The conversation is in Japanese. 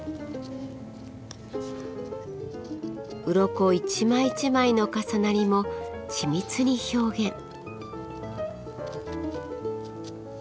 うろこ一枚一枚の重なりも緻密に表現。